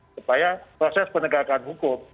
supaya proses penegakan hukum